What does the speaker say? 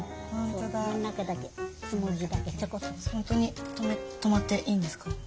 本当に泊まっていいんですか？